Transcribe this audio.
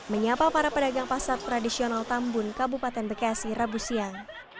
menyapa para pedagang pasar tradisional tambun kabupaten bekasi rabu siang